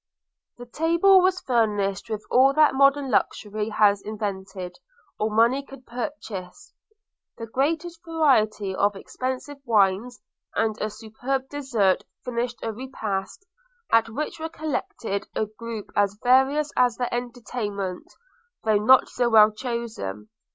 The table was furnished with all that modern luxury has invented, or money could purchase: the greatest variety of expensive wines; and a superb dessert finished a repast, at which were collected a group as various as their entertainment, though not so well chosen.